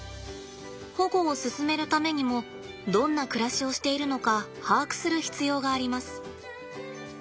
保護を進めるためにもどんな暮らしをしているのか把握する必要があります。